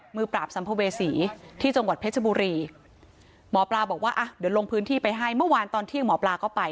ปราบสัมภเวษีที่จังหวัดเพชรบุรีหมอปลาบอกว่าอ่ะเดี๋ยวลงพื้นที่ไปให้เมื่อวานตอนเที่ยงหมอปลาก็ไป